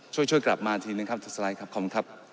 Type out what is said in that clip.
ช่วยกลับมานึกันครับสไลท์ครับขอบคุณครับ